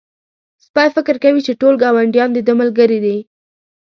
سپی فکر کوي چې ټول ګاونډيان د ده ملګري دي.